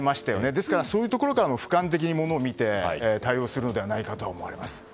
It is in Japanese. ですから、そういうところから俯瞰的にものを見て対応するのではないかと思います。